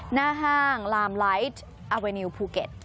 หน้าห้างลามไลท์อาเวนิวภูเก็ต